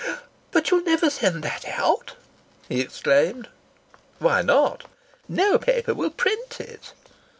"But you'll never send that out!" he exclaimed. "Why not?" "No paper will print it!"